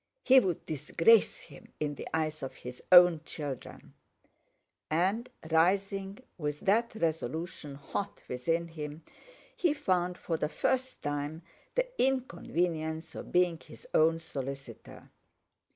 He would disgrace him in the eyes of his own children! And rising, with that resolution hot within him, he found for the first time the inconvenience of being his own solicitor.